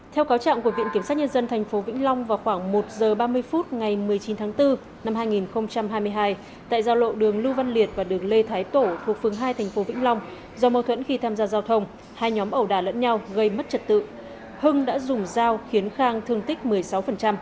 theo cáo trạng của viện kiểm soát nhân dân thành phố vĩnh long vào khoảng một h ba mươi phút ngày một mươi chín tháng bốn năm hai nghìn hai mươi hai tại giao lộ đường lưu văn liệt và đường lê thái tổ thuộc phương hai thành phố vĩnh long do mâu thuẫn khi tham gia giao thông hai nhóm ẩu đà lẫn nhau gây mất trật tự